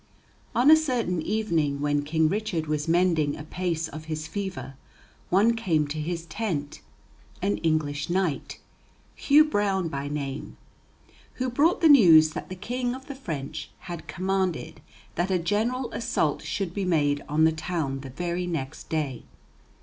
On a certain evening when King Richard was mending apace of his fever one carne to his tent an English knight, Hugh Brown by name who brought the news that the King of the French had commanded that a general assault should be made on the town the very next day.